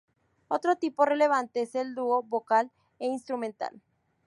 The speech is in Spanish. Otro tipo relevante es el dúo vocal e instrumental.